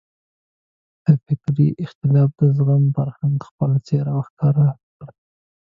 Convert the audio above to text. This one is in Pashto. د فکري اختلاف د زغم فرهنګ خپله څېره وښکاره کړه.